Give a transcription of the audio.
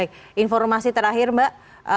baik informasi terakhir mbak